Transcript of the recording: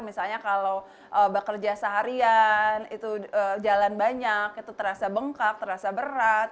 misalnya kalau bekerja seharian itu jalan banyak itu terasa bengkak terasa berat